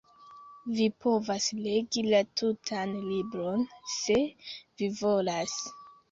Vi povas legi la tutan libron se vi volas.